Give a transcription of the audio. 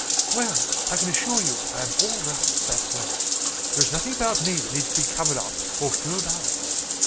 "Well, I can assure you I am all right that way. There is nothing about me that needs to be covered up or filled out."